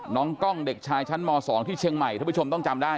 น้องกล้องเด็กชายชั้นม๒ที่เชียงใหม่ท่านผู้ชมต้องจำได้